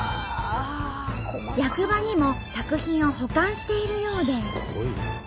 役場にも作品を保管しているようで。